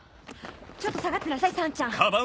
ちょっと下がってなさいさんちゃん。